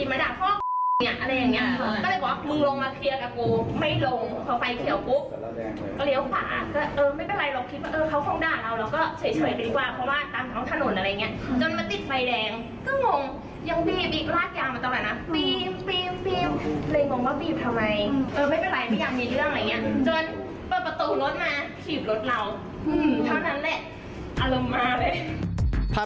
เท่านั้นแหละอารมณ์มากเลย